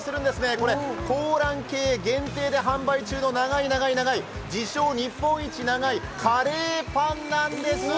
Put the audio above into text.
これ香嵐渓限定で販売中の長い長い長い、自称・日本一長いカレーパンなんです。